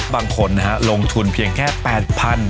บางคนลงทุนเพียงแค่๘๐๐๐บาท